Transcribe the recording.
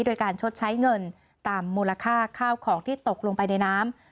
โดยการชดใช้เงินตามมูลค่าข้าวของที่ตกลงไปในน้ำ